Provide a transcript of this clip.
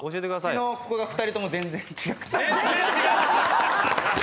足のここが２人とも全然違くて。